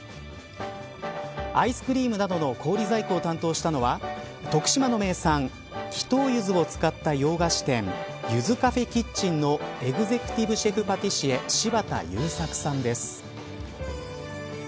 アイスクリームなどの氷細工を担当したのは徳島の名産木頭ゆずを使った洋菓子店ＹＵＺＵＣＡＦＥＫｉｔｃｈｅｎのエグゼクティブシェフパティシエ柴田勇作さんです。